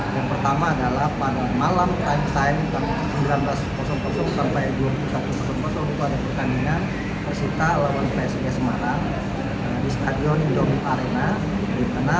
yang pertama adalah pada malam time time sembilan belas sampai dua puluh satu itu ada pertandingan persita lawan psg semarang di stadion indomie arena